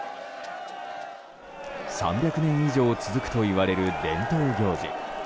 ３００年以上続くといわれる伝統行事。